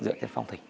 dựa trên phong thủy